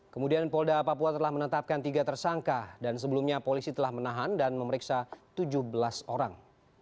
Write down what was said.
kemudian polda papua telah menetapkan tiga tersangka dan sebelumnya polisi telah menahan dan memeriksa tujuh belas orang